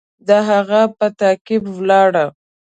د هغه په تعقیب ولاړ.